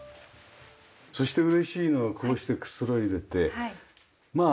そして嬉しいのがこうしてくつろいでてまあ